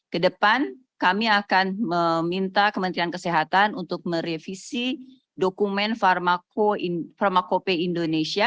kedepan kami akan meminta kementerian kesehatan untuk merevisi dokumen pharmacope indonesia